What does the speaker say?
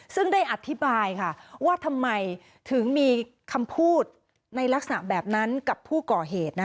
ซึ่งได้อธิบายค่ะว่าทำไมถึงมีคำพูดในลักษณะแบบนั้นกับผู้ก่อเหตุ